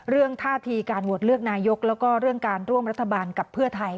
ท่าทีการโหวตเลือกนายกแล้วก็เรื่องการร่วมรัฐบาลกับเพื่อไทย